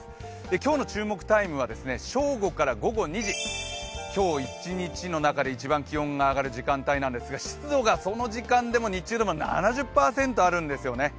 今日の注目タイムは正午から午後２時、今日一日の中で一番気温が上がる時間帯なんですが、湿度がその時間でも日中でも７０％あるんですよね。